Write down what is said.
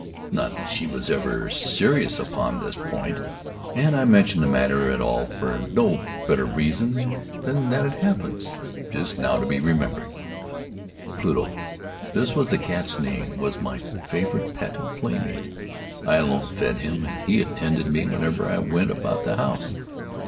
Not that she was ever serious upon this point—and I mention the matter at all for no better reason than that it happens, just now, to be remembered. Pluto—this was the cat's name—was my favorite pet and playmate. I alone fed him, and he attended me wherever I went about the house.